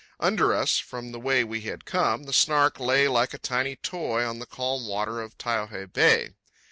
Under us, from the way we had come, the Snark lay like a tiny toy on the calm water of Taiohae Bay.